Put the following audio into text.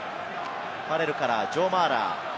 ファレルからジョー・マーラー。